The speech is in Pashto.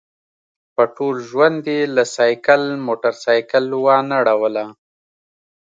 په ټول ژوند یې له سایکل موټرسایکل وانه ړوله.